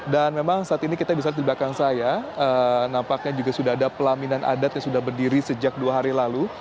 dan memang saat ini kita bisa lihat di belakang saya nampaknya juga sudah ada pelaminan adat yang sudah berdiri sejak dua hari lalu